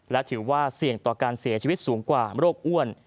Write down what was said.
และถือว่าเสี่ยงต่อการเสียชีวิตสูงกว่าโรคอ้วน